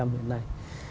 bảy hiện nay